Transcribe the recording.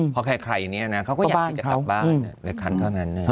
เพราะแค่ใครนี้เขาก็อยากที่จะกลับบ้านในครั้งเท่านั้น